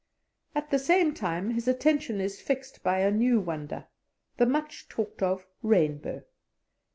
At the same time his attention is fixed by a new wonder, the much talked of rainbow.